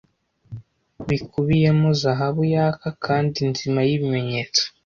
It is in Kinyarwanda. bikubiyemo zahabu yaka kandi nzima yibimenyetso